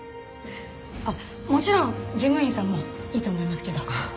あっもちろん事務員さんもいいと思いますけど。